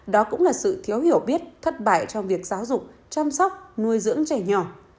đó cũng là sự thiếu hiểu biết thất bại trong việc giáo dục chăm sóc nuôi dưỡng trẻ nhỏ